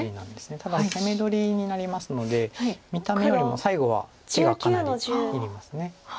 ただ攻め取りになりますので見た目よりも最後は手がかなりいります。